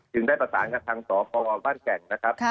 จึงได้ประสานกับทางสฝบ้านแก่ง